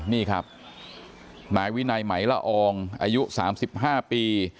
นายวินัยไหมละอองอายุ๓๕ปี